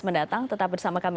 mendatang tetap bersama kami